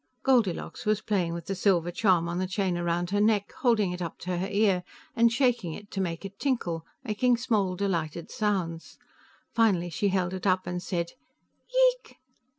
Goldilocks was playing with the silver charm on the chain around her neck, holding it to her ear and shaking it to make it tinkle, making small delighted sounds. Finally she held it up and said, "Yeek?"